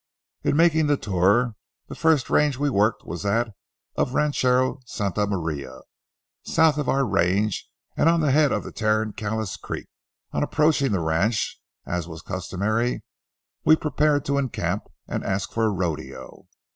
In making the tour, the first range we worked was that of rancho Santa Maria, south of our range and on the head of Tarancalous Creek. On approaching the ranch, as was customary, we prepared to encamp and ask for a rodeo.